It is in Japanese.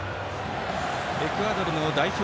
エクアドルの代表